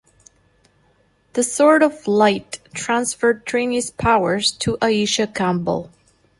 The Sword of Light transferred Trini's powers to Aisha Campbell.